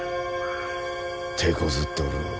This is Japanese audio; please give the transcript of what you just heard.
てこずっておるのう。